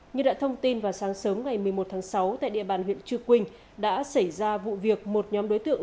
như đã thông tin vào sáng sớm ngày một mươi một tháng sáu tại địa bàn huyện chư quynh đã xảy ra vụ việc một nhóm đối tượng